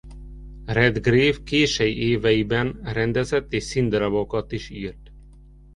Redgrave kései éveiben rendezett és színdarabokat is írt.